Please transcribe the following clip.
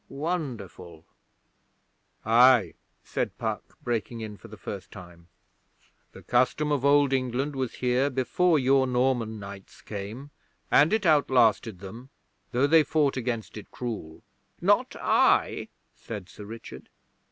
Wonderful!' 'Aye,' said Puck, breaking in for the first time. 'The Custom of Old England was here before your Norman knights came, and it outlasted them, though they fought against it cruel.' 'Not I,' said Sir Richard.